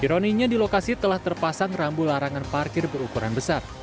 ironinya di lokasi telah terpasang rambu larangan parkir berukuran besar